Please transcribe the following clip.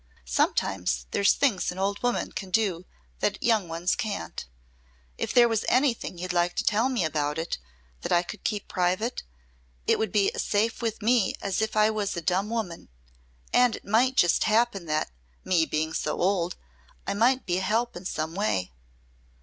Sometimes there's things an old woman can do that young ones can't. If there was anything you'd like to tell me about that I could keep private ? It'd be as safe with me as if I was a dumb woman. And it might just happen that me being so old I might be a help some way."